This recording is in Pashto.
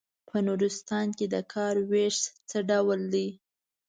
په نورستان کې د کار وېش څه ډول دی.